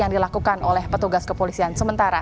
yang dilakukan oleh petugas kepolisian sementara